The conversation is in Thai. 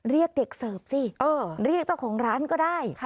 เรียกเด็กเสิร์ฟสิเรียกเจ้าของร้านก็ได้